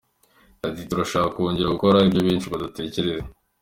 Yagize ati “Turashaka kongera gukora ibyo benshi badatekereza.